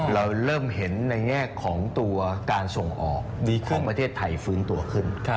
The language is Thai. เราเริ่มเห็นในแง่ของตัวการส่งออกดีของประเทศไทยฟื้นตัวขึ้น